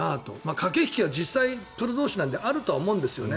駆け引きは実際、プロ同士なのであるとは思うんですよね。